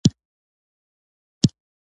پوهې ظاهري تقلید لاره ورسوي.